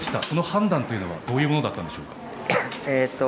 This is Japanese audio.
その判断というのはどういうものだったんでしょうか。